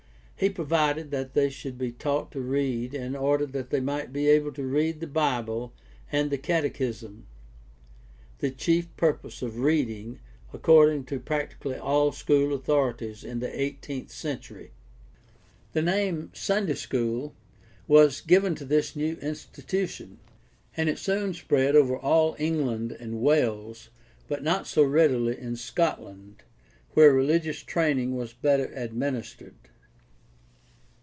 He provided that they should be taught to read in order that they might be able to read the Bible and the catechism — the chief purpose of reading, according to practically all school authorities in the eighteenth century. The name "Sunday school" was given to this new institution, and it soon spread over all England and Wales, but not so readily in Scotland, where religious training was better administered.